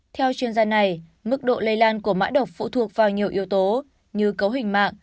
theo chuyên gia này mức độ lây lan của mã độc phụ thuộc vào nhiều yếu tố như cấu hình mạng